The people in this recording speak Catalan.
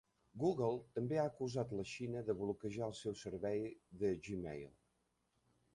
Google també ha acusat la Xina de bloquejar el seu servei de Gmail.